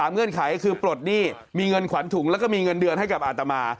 เงื่อนไขคือปลดหนี้มีเงินขวัญถุงแล้วก็มีเงินเดือนให้กับอาตมา